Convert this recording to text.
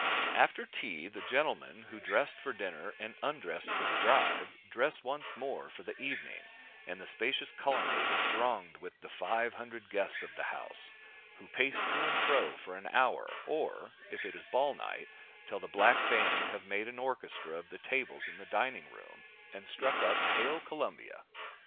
After tea, the gentlemen who dressed for dinner and "undressed" for their drive, dress once more for the evening, and the spacious Colonnade is thronged with the five hundred guests of the house, who pace to and fro for an hour, or, if it is a ball night, till the black band have made an orchestra of the tables in the dining room, and struck up "Hail, Columbia!"